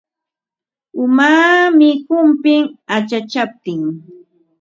Umaami humpin achachaptin.